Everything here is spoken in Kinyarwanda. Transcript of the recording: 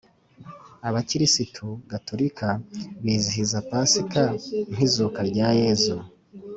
Abakirisitu gaturika bizihiza pasika nkizuka rya yezu